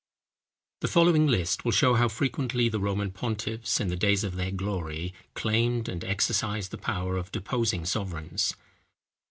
The following list will show how frequently the Roman pontiffs in the days of their glory, claimed and exercised the power of deposing sovereigns.